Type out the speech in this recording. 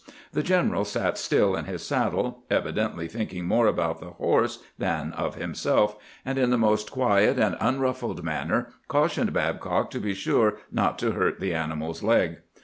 The general sat stUl in his saddle, evidently thinking more about the horse than of himself, and in the most quiet and unruffled manner cautioned Babcock to be sure not to hurt the animal's leg.